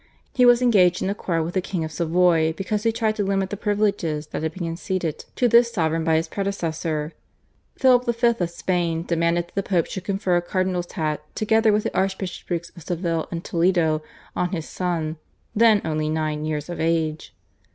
He was engaged in a quarrel with the King of Savoy because he tried to limit the privileges that had been conceded to this sovereign by his predecessor. Philip V. of Spain demanded that the Pope should confer a cardinal's hat together with the Archbishoprics of Seville and Toledo on his son, then only nine years of age.